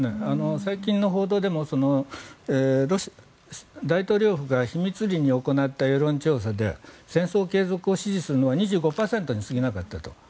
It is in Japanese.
最近の報道でも大統領府が秘密裏に行った世論調査で戦争継続を支持するのは２５％に過ぎなかったと。